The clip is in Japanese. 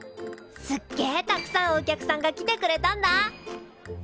すっげえたくさんお客さんが来てくれたんだ。